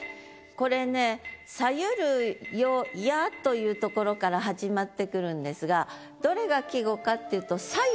これね「冴ゆる夜や」というところから始まってくるんですがどれが季語かっていうと「冴ゆ」